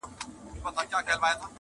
سپرېدل به پر ښايستو مستو آسونو!.